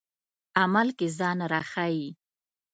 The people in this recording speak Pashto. عمل کې ځان راښيي.